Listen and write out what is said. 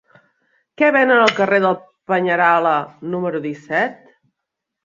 Què venen al carrer del Peñalara número disset?